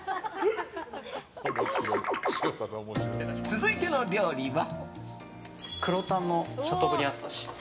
続いての料理は。